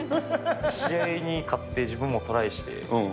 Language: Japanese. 試合に勝って、自分もトライして。